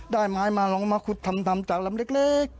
ไม้มาลองมาขุดทำจากลำเล็ก